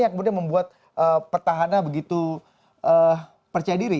yang kemudian membuat petahana begitu percaya diri